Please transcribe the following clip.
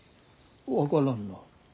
分からんな。